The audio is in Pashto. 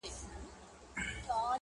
• پرې به نه ږدمه چي يو سړى پر لار وي -